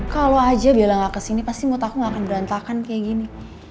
kalo aja biar lah gak kesini pasti mutaku gak akan berantakan kayak gini